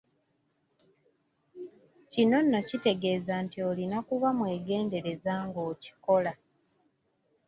Kino nno kitegeeza nti olina kuba mwegendereza ng'okikola.